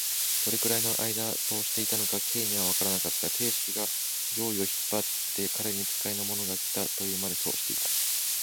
どれくらいのあいだそうしていたのか、Ｋ にはわからなかった。亭主が上衣を引っ張って、彼に使いの者がきた、というまで、そうしていた。